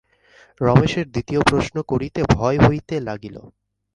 রমেশের দ্বিতীয় প্রশ্ন করিতে ভয় হইতে লাগিল।